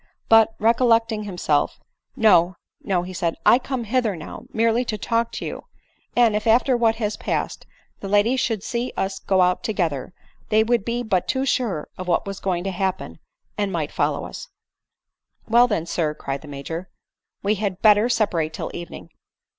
But, re collecting himself, "no, no," said he; "I come hither now, merely to talk to you ; and if, after what has pass ed, the ladies should see us go out together, they would be but too sure of what was going to happen, and might follow us." 96 ADELINE MOWBRAY. " Well, then Sir," cried the Major, " we had better separate till evening."